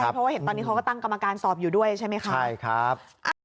เพราะว่าเห็นตอนนี้เขาก็ตั้งกรรมการสอบอยู่ด้วยใช่ไหมคะใช่ครับ